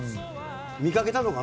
見かけたのかな？